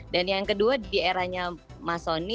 dan yang kedua di eranya mas sonny